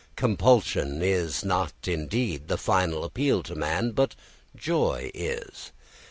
Compulsion is not indeed the final appeal to man, but joy is.